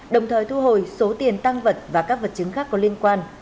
đồng thời thu hồi số tiền tăng vật và các vật chứng khác có liên quan